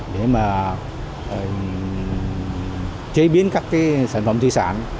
để mà chế biến các sản phẩm thủy sán